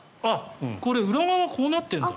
これ、裏側こうなってるんだ。